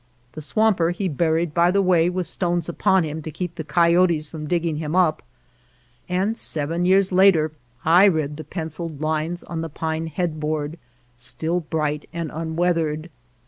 The swamper he buried by the way with stones upon him to keep the coyotes from digging him up, and seven years later I read the penciled lines on the pine headboard, still bright and unweathered.